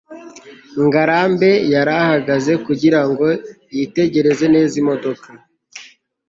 ngarambe yarahagaze kugira ngo yitegereze neza imodoka